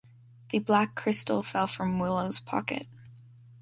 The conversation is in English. The black crystal fell from Willow’s pocket.